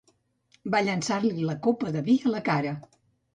Va llançar-li la copa de vi a la cara.